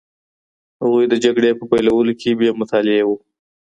هغوی د جګړې په پیلولو کي بې مطالعې وو.